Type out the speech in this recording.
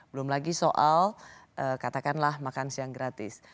belum lagi soal katakanlah makan siang gratis